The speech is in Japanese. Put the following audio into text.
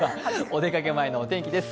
お出かけ前のお天気です。